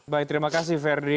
baik terima kasih verdi